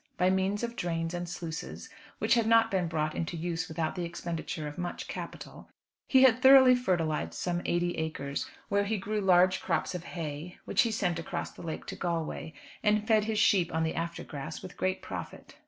By means of drains and sluices, which had not been brought into use without the expenditure of much capital, he had thoroughly fertilised some eighty acres, where he grew large crops of hay, which he sent across the lake to Galway, and fed his sheep on the after grass with great profit.